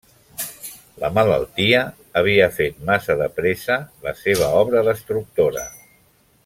La malaltia havia fet massa de pressa la seva obra destructora…